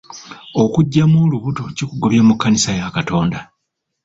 Okuggyamu olubuto kikugobya mu kkanisa ya Katonda.